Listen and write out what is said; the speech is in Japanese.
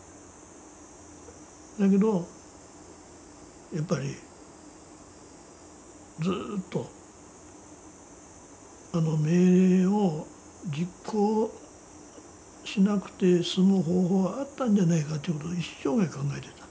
だけどやっぱりずっとあの命令を実行しなくて済む方法はあったんじゃないかちゅうことを一生涯考えてた。